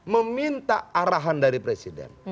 meminta arahan dari presiden